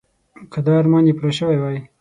که دا ارمان یې پوره شوی وای.